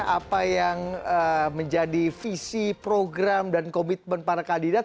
apa yang menjadi visi program dan komitmen para kandidat